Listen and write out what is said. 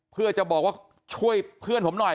เพื่อจะบอกว่าช่วยเพื่อนผมหน่อย